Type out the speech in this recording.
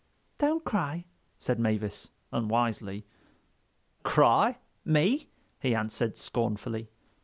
"Don't cry," said Mavis unwisely. "Cry? Me?" he answered scornfully.